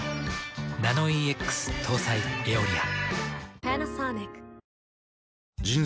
ナノイーＸ搭載「エオリア」。